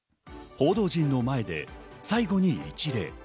報道陣の前で最後に一礼。